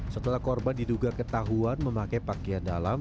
setelah korban diduga ketahuan memakai pakaian dalam